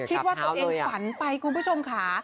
คิดว่าตัวเองฝันไปคุณผู้ชมค่ะ